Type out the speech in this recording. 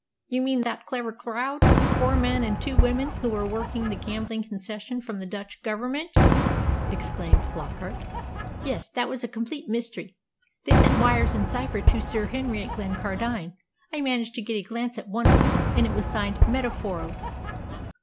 You mean that clever crowd four men and two women who were working the gambling concession from the Dutch Government!" exclaimed Flockart. "Yes, that was a complete mystery. They sent wires in cipher to Sir Henry at Glencardine. I managed to get a glance at one of them, and it was signed 'Metaforos.'"